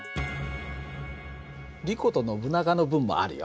リコとノブナガの分もあるよ。